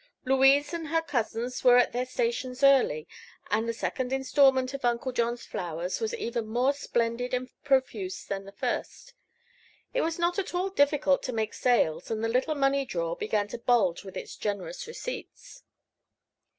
Louise and her cousins were at their stations early, and the second installment of Uncle John's flowers was even more splendid and profuse than the first. It was not at all difficult to make sales, and the little money drawer began to bulge with its generous receipts.